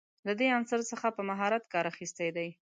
له دې عنصر څخه په مهارت کار اخیستی دی.